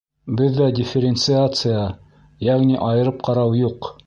Беҙҙә дифференциация, йәғни айырып ҡарау, юҡ.